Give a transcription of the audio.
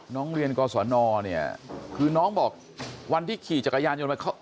น้องเรียนกศนเนี่ยคือน้องบอกวันที่ขี่จักรยานยนต์มา